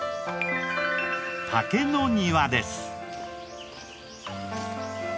竹の庭です。